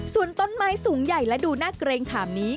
ส่วนต้นไม้สูงใหญ่และดูน่าเกรงขามนี้